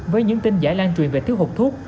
với những tin giải lan truyền về thiếu hụt thuốc